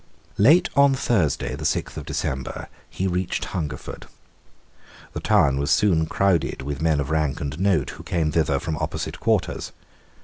Late on Thursday, the sixth of December, he reached Hungerford. The little town was soon crowded with men of rank and note who came thither from opposite quarters.